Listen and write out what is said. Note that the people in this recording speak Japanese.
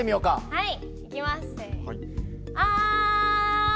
はい。